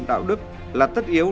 đạo đức là tất yếu